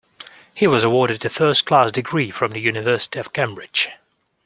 He was awarded a first-class degree from the University of Cambridge